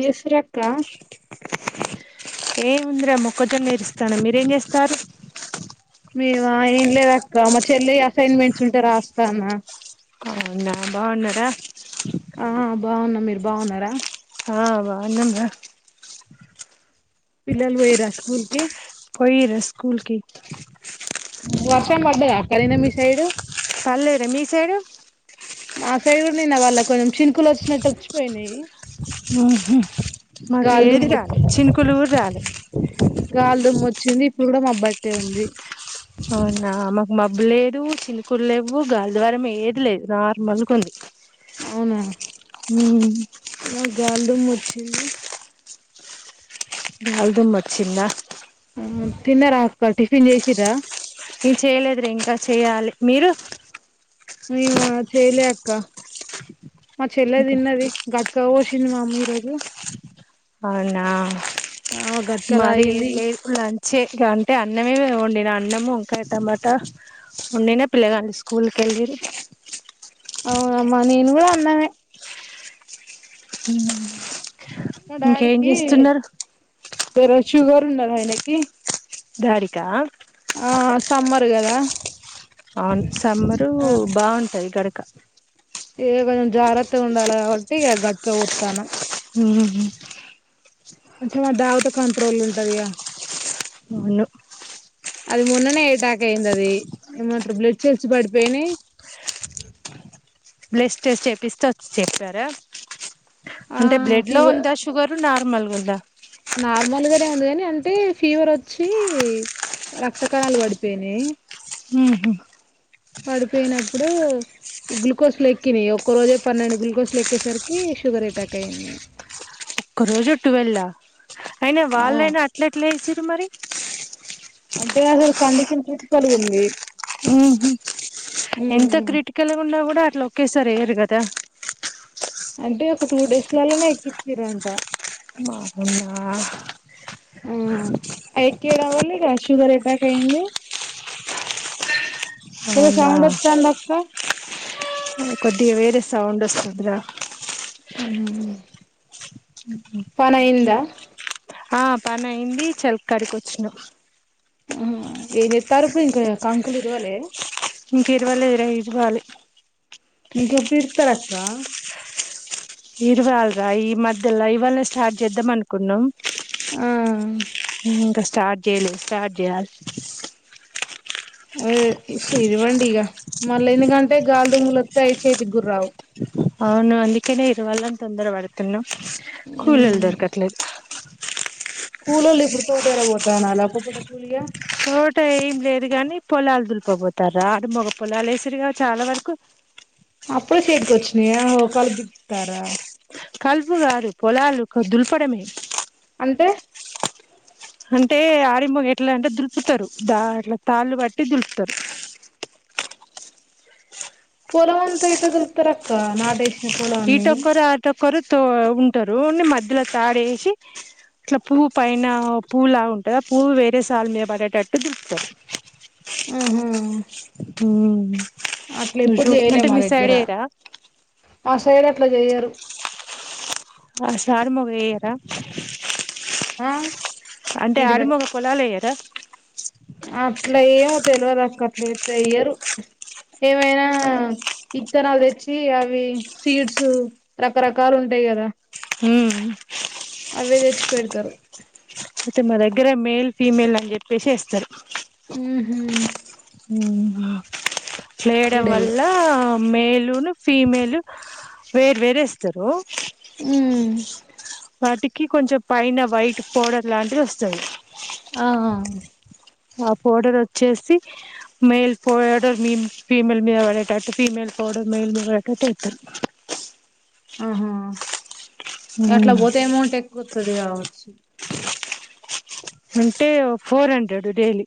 జేసురక్క ఏం ఉందిరా మొక్కజొన్న ఇరుస్తాన్ మీరేం చేస్తారు. మేము ఏం లేదక్క. మా చెల్లి అసైన్మెంట్స్ ఉంటే రాస్తానా. అవువునా బావున్నారా? ఆ ఆ బావున్న మీరు బాగున్నారా? ఆ బావున్నాం రా! పిల్లల్ బోయిరా స్కూల్ కి పోయిర్రు స్కూల్కి వర్షం పడ్డదాక్క నీన్న మీ సైడు పల్లేదే మీసైడు మా సైడ్ కూడా నిన్న వాళ్లే కొంచెం చినుకులు వచ్చినట్టు, వచ్చిపోయినాయి. ఉహ్ హు మాకు ఏది గాలిదుమ్ము రాలే, చినుకులు కూడా రాలే దుమ్మోచ్చింది. ఇప్పుడు కూడా మాబ్బటే ఉంది. అవునా మాకు మబ్బు లేదు, చిన్కూలు లెవ్వు, గాల్ ద్వారం ఏది లేదు. నార్మల్ గుంది. అవునా మాక్ గాలిదుమ్ వచ్చింది. గాల్దుమ్ వచ్చింద. ఆ తిన్నారక్కా టిఫిన్ జేసిరా నిన్ చేయలేదు రా ఇంకా చెయ్యాలి. మీరు? మీమా చెైలే అక్క మా ఇంకా చెల్లేదిన్నది. గట్కా వోసింది మా అమ్మ ఈ రోజు. అవునా గట్క మది ఏద్ తాగింది లేదు కులా చే గా అంటే అన్నమే వండిన, అన్నము, ఇంకాటమాట వండిన. పిల్లగానీ స్కూల్ కాల్దిరిగి అవునమ్మ నేను గూడా అన్నామే ఉమ్ మా డాడీకి దోర షుగర్ ఉన్నద్ ఆయ్నాకి డాడీకా ఆ సమ్మరు గాదా అవును సమ్మరు బావుంటాది గడక ఏ కొంచెం జాగ్రత్తగా ఉండాల కాబట్టి. ఇగ గట్గా వోతాన్నాం. ఉమ్ హు కొంచెం ఆ దావుతే కంట్రోల్ ఉంటదిగా. ప్చ్ అవును అది మొన్ననే ఎటాక్ అయిందది. ఏమంట్రు బ్లడ్ సెల్స్ పడిపోయినాయ్. బ్లెస్ చేసి చెపిస్త వచ్చ చెప్పారా ఆ అంటే బ్లడ్ లో ఫీవర్ ఉందా షుగరు, నార్మల్గా ఉంద. నార్మల్ గానే ఉంది కాని అంటే ఫీవర్ వచ్చి రక్త కణాలు పడిపోయినాయి. ఉహ్ హు పడిపోయినప్పుడు. ఈ గులుకోస్ లేక్కినాయి, ఒక్క రోజే పన్నెండు గుల్కోస్ ల ఎక్కేసరికి, షుగర్ ఎటాక్ అయ్యింది. [inaudible] ఒక్క రోజు టువెల్ల! అయిన వాళ్ళైనా అట్ల ఏసిరు మరి? అంటే అసలు కండిషన్ క్రిటికల్గుంది. ఉమ్ ఎంత క్రిటికల్గా ఉన్న గూడా ఆ ట్లోకేసార్ ఏయ్యారు గాదా. అంటే ఒక టూ డేస్ లాల్లనే ఎక్కించ్చిరంట పాపం మీ నాన్న ఉహ్ ఐ ఎక్కీడం వల్ల ఇగ షుగర్ ఎటాక్ అయింది. ఎందో అవునా సౌండ్ డోతందక్క కొద్దిగా వేరే సౌండ్ వస్తుంది రా ఆ పని అయిందా ఆ పని అయింది చలకర కి వచ్చినం ఆ చుట్టారు ఇప్పుడు ఇంకా కాంకులు ఇదివాలి ఇంక ఇరవలేరు ఇరవ్వాలి ఇంక ఎప్పుడు ఇతార అక్క ఇరవాలరా ఈ మధ్యలో ఇవాళ స్టార్ట్ చేద్దాం అనుకున్నాం ఆ ఇంకా స్టార్ట్ చేయలేదు స్టార్ట్ చేయాలి అ ఇరవండి ఇగ మళ్ళీ ఎందుకంటే గాలి దుమ్ములు వత్తి అయి చేతి గూడ రావు అవును అందుకేనే ఇరువాలని తొందర పడతునము కిలోలు దొరకత్లేదు కూలల్లో ఇప్పుడు తోట ఎర పోతా నాలు ఒక పూట కూలిగా తోట ఏం లేదు గాని పొలాలు దులిపపోతారు రా మగ పొలాలు వేసారుగా చాలా వరకు అప్పుడు చేతికిచ్చునయా కలిపితారా కల్పుగాదు పోలాలు దుల్పడమే అంతే అంటే ఆరిమొగ ఎట్లా అంటే దులుపుతారు దా అట్లా తాళ్ళు బట్టి దులుపుతారు [inaudible] పొలం అంత ఎట్ల దులుపుతారు అక్క నాటిసి ఈటొక్కరు అటొక్కరు తో ఉంటారున్ని మధ్యలో తాడేసి ఇట్లా పువ్ పైన పువ్ లా ఉంటుది పువ్వు వేరే సాల మీద పడేటట్టు దులుపుతారు [inaudible] ఆహా హ అట్లా ఎప్పుడు చేయలే మా దగ్గర చేనట్లు చేయరు అ సారు మగ్యార [inaudible] ఆ అంటే ఇంటిద ఆడిమొగ పాలలో అయ్యారా అట్లా ఏమో తెలియదు అక్క అట్లా అయ్యరు ఏమైనా ఇత్తనాలు తెచ్చి అవి సీడ్స్ రకరకాలు ఉంటాయి కదా ఉమ్ అవే తెచ్చి పెడతారు అయితే మా దగ్గర మేల్ ఫీమేల్ అని చెప్పేసి వేస్తారు ఆ హ లేయడం వల్ల మేలును ఫీమేలు వేరు వేరే ఇస్తారు ఉ వాటికి కొంచెం పైన వైట్ పౌడర్ లాంటిది వస్తంది ఆ ఆ పోడర్ వచ్చేసి మెయిల్ పోడర్ మీ ఫీమేల్ మీద పడేటట్టు ఫీమేల్ పౌడర్ మేల్ మీద పడేటట్టు వేస్తారు ఆహా అట్లా పోతే అమౌంట్ ఎక్కువతుది కావచ్చు అంటే ఫోర్ హండ్రెడ్ డైలీ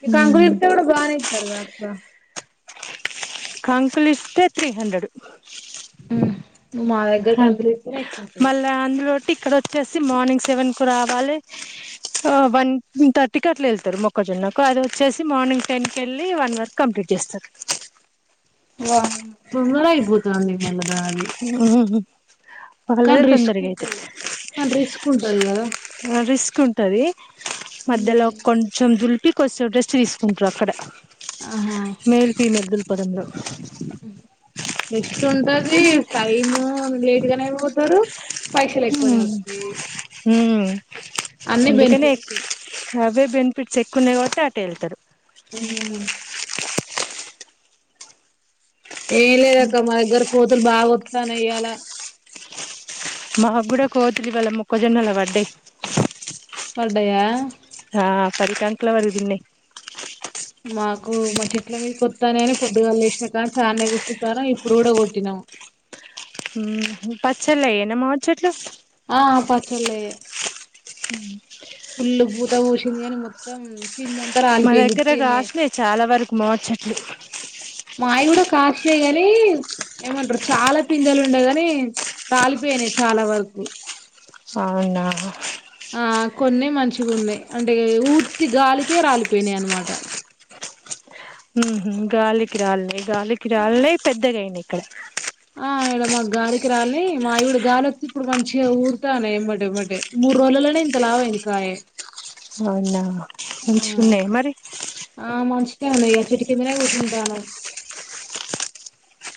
మీ కంకులు కూడా బాగానే ఇచ్చారుగా అక్క [inaudible] కంకులి ఇష్టే త్రీ హండ్రెడ్ ఆ మళ్ళా అందులోటి ఇక్కడ వచ్చేసి మార్నింగ్ సెవెన్ రావాలి వన్థర్టీకి అట్లా వెళ్తారు మొక్కజొన్నకు అది వచ్చేసి మార్నింగ్ టెన్ కి వెళ్ళి వన్ వరకు కంప్లీట్ చేస్తరు తొందర అయిపోతంది మళ్ళ దాది పగలే కానీ రిస్క్ తొందరగా అయితే ఉంటది కానీ రిస్క్ ఉంటది కదా తీంటది మధ్యలో కొంచెం దులిపి కొంచెం రెస్ట్ తీసుకుంటారు అక్కడ ఆహా మేల్ ఫీమేల్ దుల్పడం లో రెస్ట్ ఉంటది టైము లేట్గానే పోతరు పైసలు ఎక్కువనే వత్తాయి అందుకనే అవే బెనిఫిట్స్ ఎక్కువ ఉన్నాయి కాబట్టి అటే వెళ్తారు ఏం లేదక్క మా దగ్గర కోతులు బాగా ఒత్తన్నాయి తాన ఇ య్యాల మా కూడా కోతులు ఇవాళ్ళ మొక్క జొన్నల బడ్డయి పడ్డాయా పది కంకుల వరకు తిన్నాయ్ మాకు మా చెట్ల మీద కొత్తానేని పొద్దుగా లేసినా కానీ చాలానే కూర్చంటారు ఇప్పుడు కూడా కొట్టినాము పచ్చల్లయేనా మామిడి చెట్టు ఆ పచ్చళ్ళయే హ పుల్లు పూత పూసింది కానీ మొత్తం పిందంతా మా రాలిపోయింది దగ్గర ఉత్తిగనే కాసినయ్ చాలా వరకు మామిడి చెట్లు మాయి కూడా కాసినయ్ గాని ఏమంటారు చాలా పిందలు ఉండేగాని రాలిపోయినాయ్ చాల వరకు అవునా ఆ కొన్నే మంచిగా ఉన్నాయి అంటే ఊత్తి గాలికే రాలిపోయినావి అన్నమాట గాలికిిరాలినయ్ గాలికిిరాలనివి పెద్దగా అయినవి ఇక్కడ ఆ ఇయడ మా గాలికి రాలి మాయి కూడా గాలి వత్తే ఇప్పుడు మంచిగా ఊరుతాన్నా యి ఎమ్మటెమ్మటే మూడు రోజులనే ఇంత లావు అయింది కాయ అవునా మంచిగున్నాయా మరి మామిడి చెట్టు కిందనే కూర్చుంటున్నవ్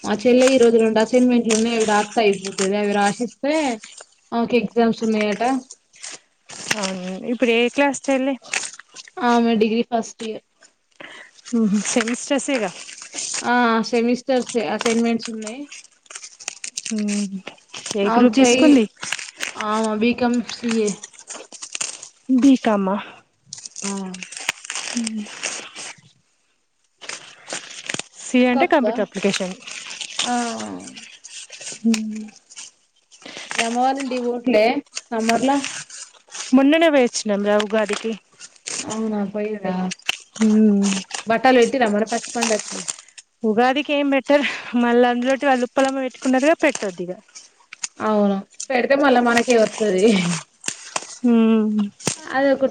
మా చెల్లె ఈ రోజు రెండు అసైన్మెంట్లున్నావి అవి రాస్తే అయిపోతది అవి రాశిస్తే ఆమెకి ఎగ్జామ్స్ ఉన్నాయాటా ఇప్పుడ ఏ క్లాస్ చెల్లె ఆమె డిగ్రీ ఫస్ట్ ఇయర్ మ్మ్ సెమిస్టర్స్ యేగా ఆ సెమిస్టర్స్ ఏ అసైన్మెంట్స్ ఉన్నాయి మ్మ్ ఏ గ్రూప్ తీసుకుంది B com CA B com హా ఆ అ సి ఇంకా అంటే అక్క కంప్యూటర్ అప్లికేషన్ ఆ మ్మ్ హ్ మీ అమ్మవాళ్ల ఇంటికి పొవట్లే సమ్మర్లా మోన్ననే పోయి వచ్చినం ఉగాది కి అవునా పోయిన్రా బట్టలు పెట్టిన్రా మరి ఫస్ట్ పండక్కి ఉగాదికి ఏం బెట్టరు మళ్ళ అందులోటి వాళ్ళు ఉప్పలమ్మ పెట్టుకున్నారుగా పెట్టొద్దు ఇగ అవును పెడితే మళ్ళా మనకే వస్తది మ్మ్ హ్హ్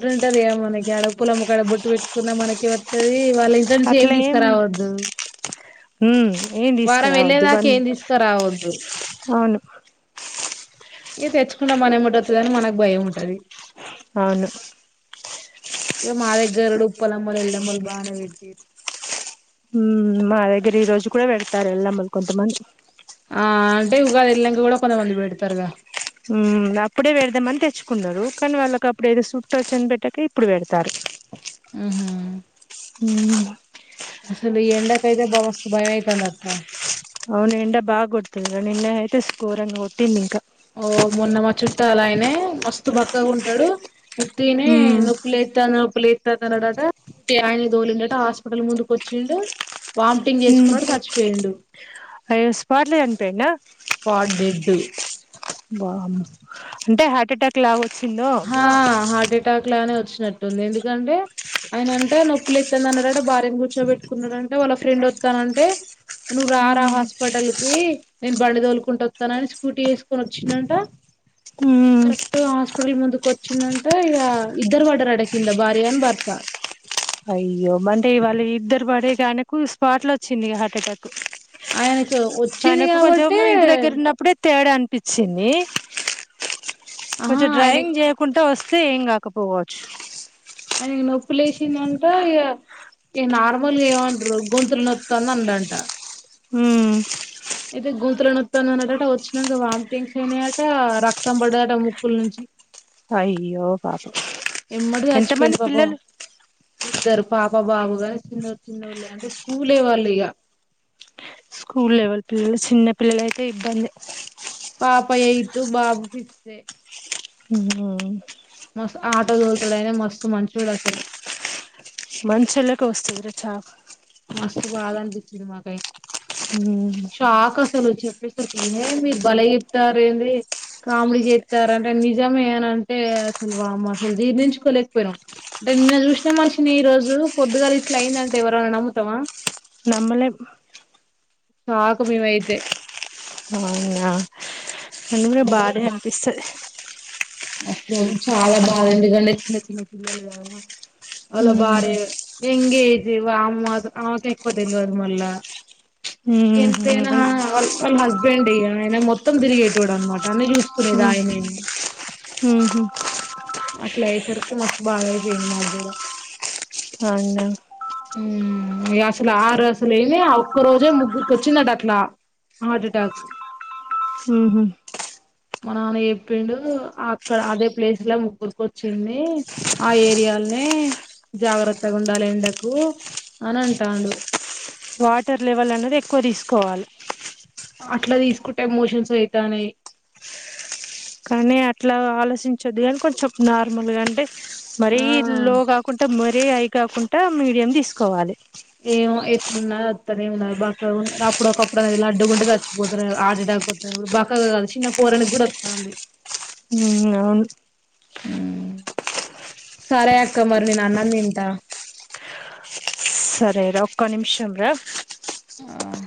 అట్లా ఉంటది మనకి అడ ఉప్పలమ్మా కాడ బొట్టు పెట్టుకున్న మనకే వత్తది వాళ్ళ ఇంటి నుంచి ఏం అట్లా ఉండదు తీసుకురావద్దు ఉమ్ ఏం వారం తీసుకురావద్దు వెళ్ళేదాకా వన్ ఏం తీసుకురావద్దు అవును ఏ తెచ్చుకుంటా మన ఏముంటతుంద అని మనకు భయం ఉంటది అవును ఇ మా దగ్గరడు ఉప్పలమ్మల్ ఎళ్ళమల్ బానే వెట్టిరు హు మా దగ్గర ఈ రోజు కూడా వెడతారు ఎల్లమ్మలు కొంత మంది ఆ అంటే ఉగాది ఎల్లినాంక కూడా కొంతమంది పెడతారుగా ఉ అప్పుడే పెడదామని తెచ్చుకుంటారు కానీ వాళ్ళకి అప్పుడు ఏదో సుట్టో చని పెట్టక ఇప్పుడు పెడతారు ఉహు ఉ అసలు ఎండకైతే బా మస్త్ భయం అయితాంది అక్క అవును ఎండ బాగా కొడుతుంది నిన్న అయితే స్కోరన్ కొట్టింది ఇంకా ఓ మొన్న మా చుట్టలాయనే మస్తు బక్కగా ఉంటాడు ఉత్తినే ఉమ్ నొప్పి లేత్తంది నొప్పి లేత్తంది అన్నాడట తీ అయి గోలిండట హాస్పిటల్ ముందుకి వచ్చిండు వామిటింగ్ చేసుకున్నాడు సచ్చిపోయిండు అయ్యో స్పాట్ లో చనిపోయిండా స్పాట్ డెడ్ ది బా అంటే హార్ట్ ఎటాక్ లాగ వచ్చిందో ఆ హార్ట్ అటాక్ లానే వచ్చినట్టుంది ఎందుకంటే ఆయన అంటే నొప్పి లెత్తంది అన్నాడట భార్యను కూర్చోబెట్టుకున్నాడంటే వాళ్ళ ఫ్రెండ్ వత్తనంటే నువ్వు ర రాా హాస్పిటల్ కి నేను బండిదోలుకుంట వస్తానని స్కూటీ వేసుకొని వచ్చిందంట ఉమ్ కరెక్ట్ గా తొల్లి ముందుకు వచ్చిందంట ఇ ఇద్దరు వాడర్ అడికింద భార్య అని భర్త అయ్యో అంటే వాళ్ళు ఇద్దరు పడేగానకు స్పాట్లు వచ్చింది హార్ట్ ఎటాక్ ఆయనకు వచ్చింది తనకు కొంచెం కాబట్టే ఇంటి దగ్గర ఉన్నప్పుడే తేడా అనిపించింది ఆహా కొంచెం ఆయనకి డ్రాయింగ్ చేయకుంటే వస్ చే ఎం కాక పోవచ్చు ఆని నొప్పులు వేసిందంటే ఇగ నార్మల్గా ఏమంటరు గొంతులు నొ తొంద ఉండంట హూ అయితే గొంతులో నొ మన్నటట వచ్చినాక వామిటింగ్స్ అయినాయట రక్తం పడటది ముక్కుల నుంచి అయ్యో పాపం ఎమ్మటే చచ్చిపోయిండు ఎంతమంది పాపం పిల్లలు ఇద్దరు పాప బాబుగాని చిన్న చిన్నొళ్ళే అంటే స్కూలే వాళ్ళు ఇగ స్కూల్ లెవెల్ పిల్లలు చిన్న పిల్లలు అయితే ఇబ్బందే పాప యైతు బాబు ఫిప్తే ఇంగ మస్త్ ఆటో దోల్తడయిన మస్తు మంచోడసలు మంచోళ్ళకే వస్తోంది చావు మస్తు బాధ అనిపించింది మాకైతే షాక్ అసలు చెప్పేసరికి ఏ మీరు బలే చెబుతారేంది కామెడీ జేస్తారు అంటే నిజమే అని అంటే అసలు వామ్మో అసలు జీర్ణించుకోలేకపోయినం నిన్న చూసిన మనిషిని ఈ రోజు పొద్దుగల ఇట్లా అయిందంటే ఎవరమన్న నమ్ముతమా నమ్మలేం షాక్ మేమైతే అవునా [unintelligible] కూడా బాధే అనిపిస్తది అసలు చాలా బాదగండి చిన్న చిన్న పిల్లలు గద వాళ్ళ భార్య ఇన్ ఈ దేవ వామ్మో ఆమెకు ఎక్కువ తెలవదు మళ్ళా ఎంతైనా ఉహు వాళ్ వాళ్ళ హస్బెండ్ ఇయ ఆయన మొత్తం తిరిగేటోడు అన్మమాట అన్ని చూసుకునేది ఆయనే హు హు అట్ల అయ్యే సరికి మస్తు భాద అయిపోయింది మాగ్గూడ అవునా ఉం ఇగ అసలు ఆరు అసలయినా ఆఒక్క రోజే ముగ్గురికి వచ్చిందట అట్లా హార్టటాక్ హమ్ మా నాన్న చెప్పిండు అక్కడ అదే ప్లేస్ లో ఉరికొచ్చింది ఆ ఏరియాల్నే జాగ్రత్తగుండాలి ఎండకు అనంటాండు వాటర్ లెవల్ అనేది ఎక్కువ తీసుకోవాలే అట్లా తీసుకుంటే మోషన్స్ అయితానయ్ కాని అట్లా ఆలోచించొద్దు గని కొంచెం నార్మల్గంటే మరీ ఆ ఇట్లా లో కాకుంటా మరీ హై కాకుంటా మీడియం తీసుకోవాలి ఏమో ఎట్లున్న అత్తనే ఉన్నాది బక్కగున్ అప్పుడు ఒకప్పుడు అనేది లడ్డుగుంటే చచ్చిపోతారు హార్టటాక్ ఇప్పుడు బక్కగ కాదు చిన్న పోరనికి కూడా వత్తంది ఉమ్ ఉమ్ అవును సరే అక్క మరి నేను అన్నం తింట సరేరా ఒక్క నిమిషం రా ఆ